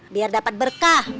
biar dapet berkah